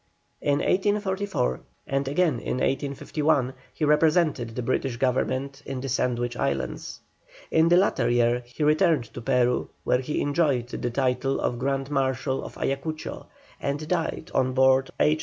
In 1844, and again in 1851, he represented the British Government in the Sandwich Islands. In the latter year he returned to Peru, where he enjoyed the title of Grand Marshal of Ayacucho, and died on board H.